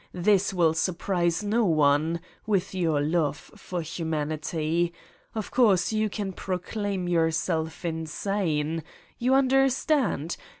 This will surprise no one ... with your love for humanity. Of course, you can proclaim yourself insane. You understand?